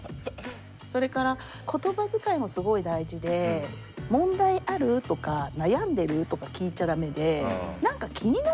それから言葉遣いもすごい大事で「問題ある？」とか「悩んでる？」とか聞いちゃ駄目で。